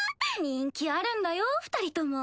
人気あるんだよ二人とも。